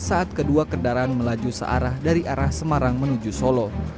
saat kedua kendaraan melaju searah dari arah semarang menuju solo